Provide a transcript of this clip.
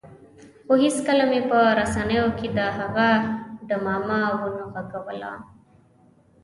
خو هېڅکله مې په رسنیو کې د هغه ډمامه ونه غږوله.